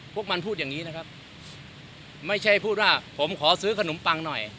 พวกมันพูดอย่างนี้นะครับไม่ใช่พูดว่าผมขอซื้อขนมปังหน่อย